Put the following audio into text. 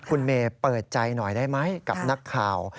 คุณเมย์เปิดใจหน่อยได้ไหมกับนักข่าว